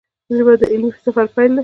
ژبه د علمي سفر پیل دی